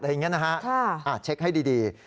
อะไรอย่างนี้นะฮะชักให้ดี